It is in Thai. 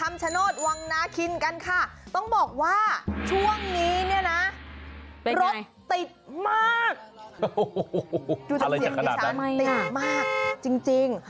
มีสารติดมากจริง